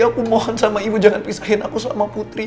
aku mohon sama ibu jangan pisahin aku sama putri